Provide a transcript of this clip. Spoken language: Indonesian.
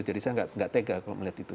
jadi saya tidak tega kalau melihat itu